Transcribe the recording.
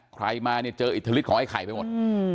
ใครมาเนี่ยเจออิทธิฤทธของไอ้ไข่ไปหมด